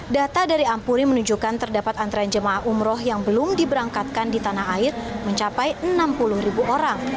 data dari ampuri menunjukkan terdapat antrean jemaah umroh yang belum diberangkatkan di tanah air mencapai enam puluh ribu orang